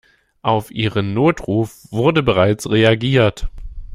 Auf Ihren Notruf wurde bereits reagiert.